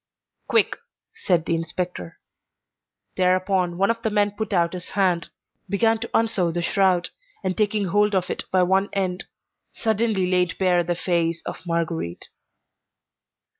"Quick," said the inspector. Thereupon one of the men put out his hand, began to unsew the shroud, and taking hold of it by one end suddenly laid bare the face of Marguerite.